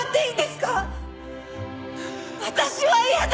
私は嫌だ！